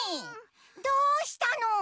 どうしたの？